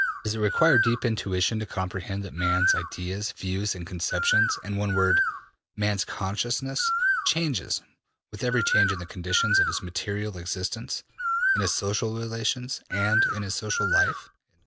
Does it require deep intuition to comprehend that man's ideas, views and conceptions, in one word, man's consciousness, changes with every change in the conditions of his material existence, in his social relations, and in his social life?''